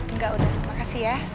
enggak udah makasih ya